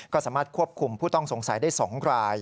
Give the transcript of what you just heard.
ก็สามารถควบคุมผู้ต้องสงสัยได้๒ราย